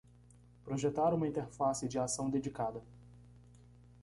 Projetar uma interface de ação dedicada